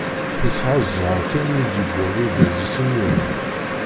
Tesεa ẓẓher kan mi d-yewweḍ urgaz-is imir-en.